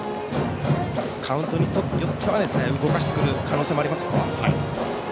カウントによっては動かしてくる可能性もありますよ。